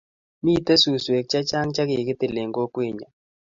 Mito suswek chechang' che kikitil eng' kokwenyo.